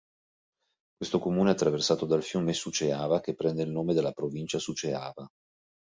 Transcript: Questo comune è attraversato dal fiume Suceava che prende il nome dalla provincia Suceava.